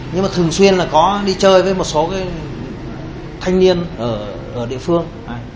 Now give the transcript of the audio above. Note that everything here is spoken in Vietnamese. nhưng mà thường xuyên là có đi chơi với một số thanh niên ở địa phương